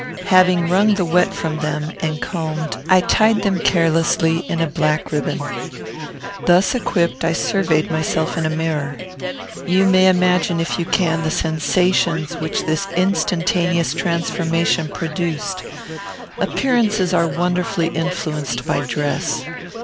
Having wrung the wet from them, and combed, I tied them carelessly in a black riband. Thus equipped, I surveyed myself in a mirror. You may imagine, if you can, the sensations which this instantaneous transformation produced. Appearances are wonderfully influenced by dress.